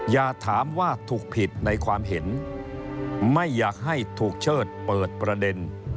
อย่าถามว่าถูกผิดในความเห็นไม่อยากให้ถูกเชิดเปิดประเด็น